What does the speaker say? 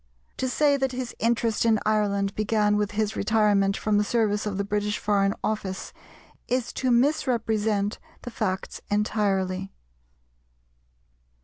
To say that his interest in Ireland began with his retirement from the service of the British Foreign Office is to misrepresent the facts entirely.